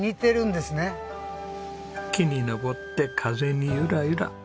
木に登って風にゆらゆら。